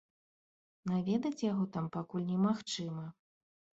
Наведаць яго там пакуль немагчыма.